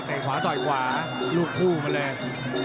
แต่ขวาต่อยขวาลูกคู่มาเลย